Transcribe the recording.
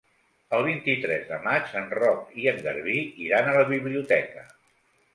El vint-i-tres de maig en Roc i en Garbí iran a la biblioteca.